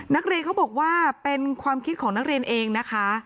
นักเรียนเขาบอกว่าเป็นความคิดของนักเรียนเองนะคะ